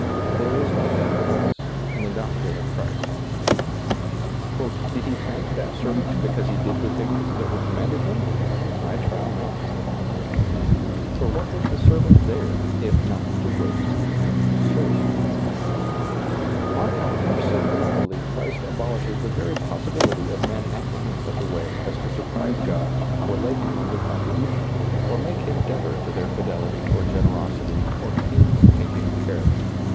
There is nothing of this in the doctrine of Christ " Did he thank that ^lailizccbvGoOgle THE tmPROFITABLE SERVANT 59 servant because he did the thin^ that were com manded him ? I trow not." For what was the servant there, if not to wait and to serve ? Mark how absolutely Christ abolishes the very possibility of men acting in such a way as to sur prise God or lay Him under contribution, or make Him debtor to their fidelity or generosity or pains taking care.